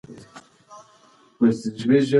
بزګران خپل فصلونه له لاسه ورکوي.